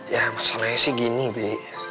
ya masalahnya sih gini bu